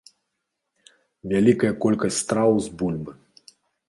Вялікая колькасць страў з бульбы.